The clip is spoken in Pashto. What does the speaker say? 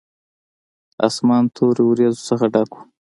اسمان تورو وريځو ډک و.